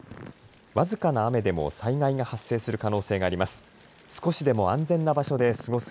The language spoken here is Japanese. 僅かな雨でも災害が発生する可能性があります。